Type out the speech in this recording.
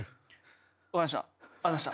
分かりました。